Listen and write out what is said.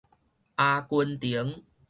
阿根廷